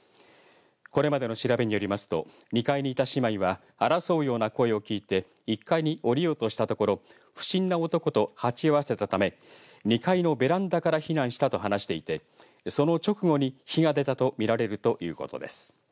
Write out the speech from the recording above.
これまでの調べによりますと２階にいた姉妹は争うような声を聞いて１階に降りようとしたところ不審な男と鉢合わせたために２階のベランダから避難したと話していてその直後に火が出たと見られるということです。